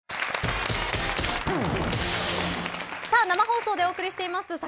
生放送でお送りしています